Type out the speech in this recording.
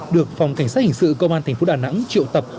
được phòng cảnh sát hình sự công an thành phố đà nẵng triệu tập